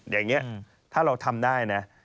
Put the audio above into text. อย่างนี้ถ้าเราทำได้นะ